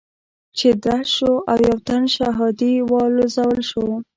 چې درز شو او يو تن شهادي والوزول شو.